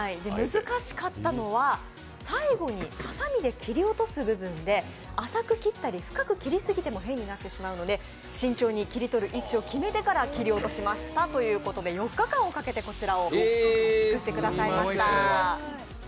難しかったのは、最後にはさみで切り落とす部分で、浅く切っても、深く切っても変になってしまうので慎重に切り落とす位置一を決めてから切り落としましたということで４日間をかけてこちらを作っていただきました